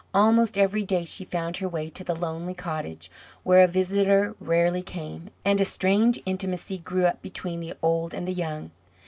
Almost every day she found her way to the lonely cottage, where a visitor rarely came, and a strange intimacy grew up between the old and the young.